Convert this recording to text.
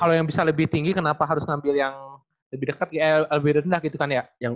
kalo yang bisa lebih tinggi kenapa harus ngambil yang lebih deket lebih rendah gitu kan ya